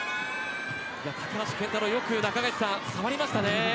高橋健太郎はよく触りましたね。